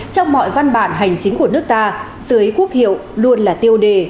trong mọi văn bản hành chính của nước ta dưới quốc hiệu luôn là tiêu đề